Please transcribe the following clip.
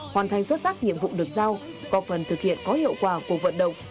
hoàn thành xuất sắc nhiệm vụ được giao có phần thực hiện có hiệu quả cuộc vận động